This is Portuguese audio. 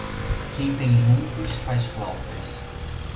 Quem tem juncos faz flautas.